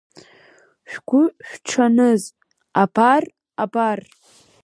Шәгәы шәҽаныз, абар, абар!